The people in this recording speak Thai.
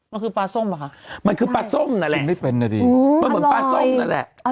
มันคือปลาส้มป่ะคะมันคือปลาส้มนั่นแหละมันไม่เป็นนะดิมันเหมือนปลาส้มนั่นแหละ